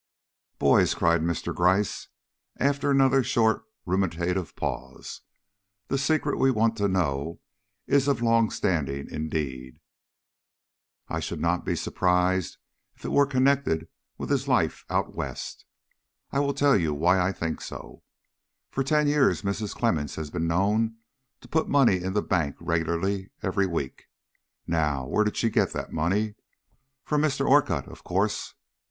"Boys," cried Mr. Gryce, after another short ruminative pause, "the secret we want to know is of long standing; indeed, I should not be surprised if it were connected with his life out West. I will tell you why I think so. For ten years Mrs. Clemmens has been known to put money in the bank regularly every week. Now, where did she get that money? From Mr. Orcutt, of course.